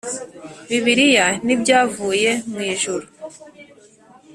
Bibiliya n ibyavuye mwijuru